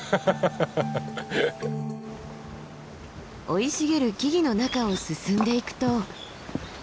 生い茂る木々の中を進んでいくと。